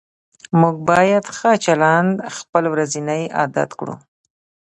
موږ باید ښه چلند خپل ورځنی عادت کړو